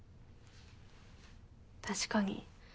確かに。